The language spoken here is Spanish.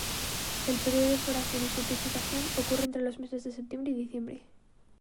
El período de floración y fructificación ocurre entre los meses de Septiembre y Diciembre.